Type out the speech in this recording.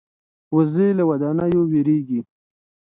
وزې له ودانیو وېرېږي